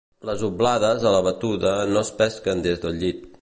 Les oblades a la batuda no es pesquen des del llit.